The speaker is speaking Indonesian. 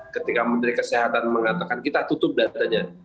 ketika menteri kesehatan mengatakan kita tutup datanya